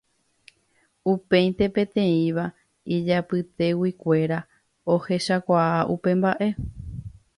Upéinte peteĩva ijapyteguikuéra ohechakuaa upe mba'e.